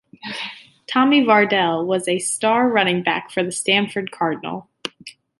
Tommy Vardell was a star running back for the Stanford Cardinal.